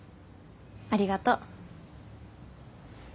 ありがとう。